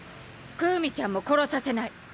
クウミちゃんも殺させない。